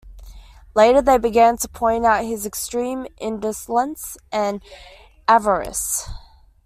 Later they begin to point out his extreme indolence and avarice.